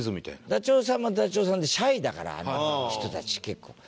ダチョウさんもダチョウさんでシャイだからあの人たち結構。